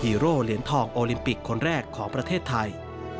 โร่เหรียญทองโอลิมปิกคนแรกของประเทศไทย